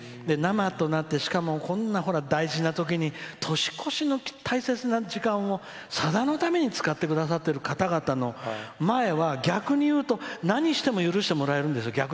生となって、しかもこんな大事なときに年越しの大切な時間をさだのために使ってくださってる方々の前は逆に言うと、何しても許してもらえるんですよ。